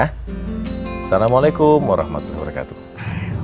assalamualaikum warahmatullahi wabarakatuh